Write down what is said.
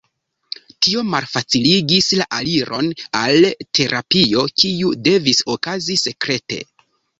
Tio malfaciligis la aliron al terapio, kiu devis okazi sekrete.